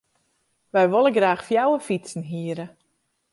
Wy wolle graach fjouwer fytsen hiere.